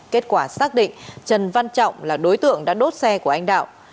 kết quả xác định trần văn trọng là đối tượng đã đốt xe của anh đạo